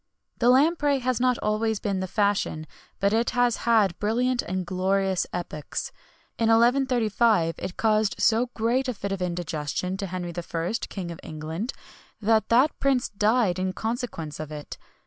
[XXI 78] The lamprey has not always been the fashion, but it has had brilliant and glorious epochs. In 1135 it caused so great a fit of indigestion to Henry I., King of England, that that prince died in consequence of it.